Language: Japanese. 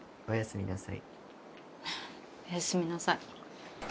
おやすみなさい。